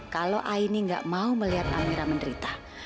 kalau aini gak mau melihat amirah menderita